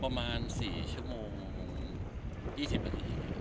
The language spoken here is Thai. ประมาณ๔ชั่วโมง๒๐นาที